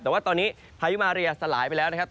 แต่ว่าตอนนี้พายุมาเรียสลายไปแล้วนะครับ